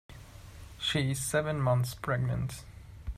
She is seven months pregnant.